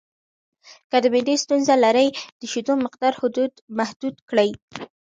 که د معدې ستونزه لرئ، د شیدو مقدار محدود کړئ.